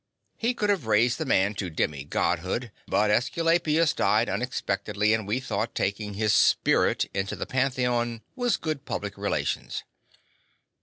He would have raised the man to demi Godhood, but Aesculapius died unexpectedly, and we thought taking his 'spirit' into the Pantheon was good public relations."